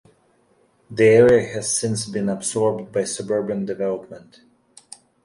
The area has since been absorbed by suburban development.